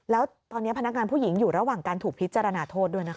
แล้วตอนนี้พนักงานผู้หญิงอยู่ระหว่างการถูกพิจารณาโทษด้วยนะคะ